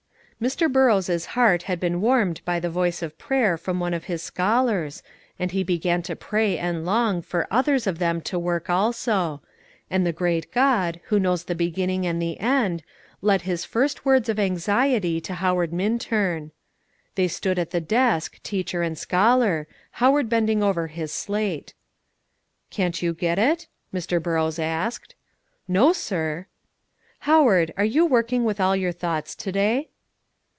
Mr. Burrows' heart had been warmed by the voice of prayer from one of his scholars, and he began to pray and long for others of them to work also; and the great God, who knows the beginning and the end, led his first words of anxiety to Howard Minturn. They stood at the desk, teacher and scholar, Howard bending over his slate. "Can't you get it?" Mr. Burrows asked, "No, sir." "Howard, are you working with all your thoughts to day?"